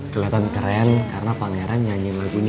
kelihatan keren karena pangeran nyanyi lagu ini